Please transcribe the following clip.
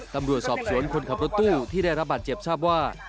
ตำรวจสอบสวนคนขับรถตู้ที่ได้รับบาดเจ็บทราบว่า